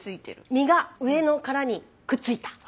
身が上の殻にくっついた。